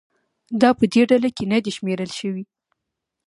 دا په دې ډله کې نه دي شمېرل شوي.